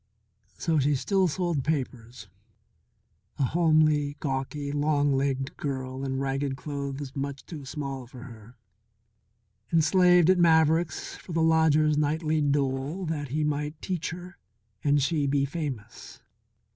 So she still sold papers, a homely, gawky, long legged girl in ragged clothes much too small for her, and slaved at Maverick's for the lodger's nightly dole that he might teach her and she be famous.